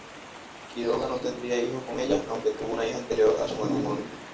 Quiroga no tendría hijos con ella, aunque tuvo una hija anterior a su matrimonio.